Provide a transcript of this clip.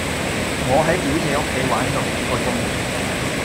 我喺表姐屋企玩咗幾個鐘